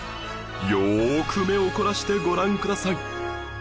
よーく目を凝らしてご覧ください